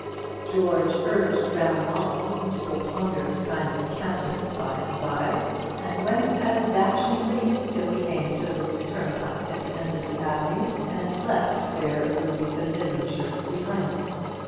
George urged Brown Molly into a ponderous kind of canter by and by, and went at a dashing rate till he came to the little turnpike at the end of the avenue, and left fair Elizabethan Midlandshire behind him.